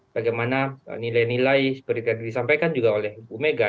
bagaimana nilai nilai seperti yang disampaikan juga oleh bumega